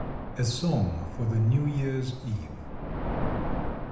48 A SONG FOR THE NEW YEAR'S EVE.